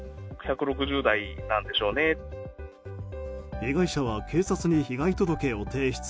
被害者は警察に被害届を提出。